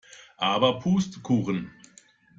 Aber Pustekuchen!